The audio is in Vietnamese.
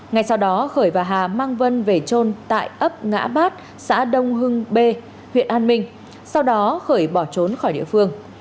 ngay sau đó khởi và hà mang vân về trôn tại ấp ngã bát xã đông hưng bê huyện an minh sau đó khởi bỏ trốn khỏi địa phương